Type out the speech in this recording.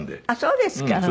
あっそうですか。